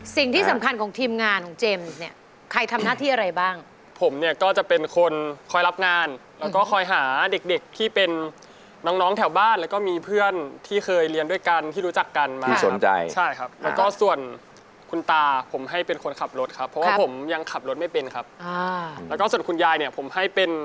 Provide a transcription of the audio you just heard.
สิ่งที่สำคัญของทีมงานของเจมส์เนี่ยใครทำหน้าที่อะไรบ้างผมเนี่ยก็จะเป็นคนคอยรับงานแล้วก็คอยหาเด็กเด็กที่เป็นน้องน้องแถวบ้านแล้วก็มีเพื่อนที่เคยเรียนด้วยกันที่รู้จักกันมาสนใจใช่ครับแล้วก็ส่วนคุณตาผมให้เป็นคนขับรถครับเพราะว่าผมยังขับรถไม่เป็นครับอ่าแล้วก็ส่วนคุณยายเนี่ยผมให้เป็น